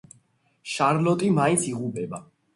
შარლოტი მაინც იღუპება.